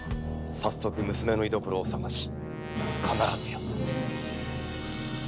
早速娘の居どころを捜し必ずや。